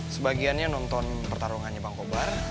sebagiannya nonton pertarungannya bang kobar